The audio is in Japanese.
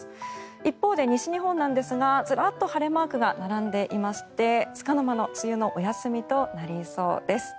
一方で、西日本ですがずらっと晴れマークが並んでいましてつかの間の梅雨のお休みとなりそうです。